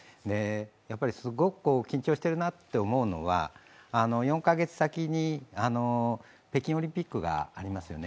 やはりすごく緊張してるなと思うのは、４カ月先に北京オリンピックがありますね。